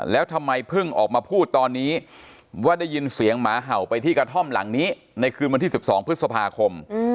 แล้วทำไมเพิ่งออกมาพูดตอนนี้ว่าได้ยินเสียงหมาเห่าไปที่กระท่อมหลังนี้ในคืนวันที่๑๒พฤษภาคม